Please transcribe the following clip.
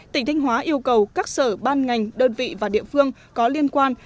tỉnh thanh hóa yêu cầu các sở ban ngành đơn vị và địa phương có liên quan